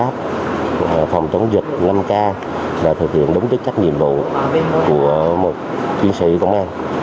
phòng chống dịch năm k là thực hiện đúng chức trách nhiệm vụ của một chiến sĩ công an